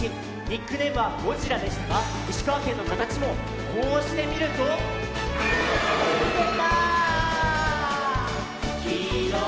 ニックネームは「ゴジラ」でしたが石川県のかたちもこうしてみるとでた！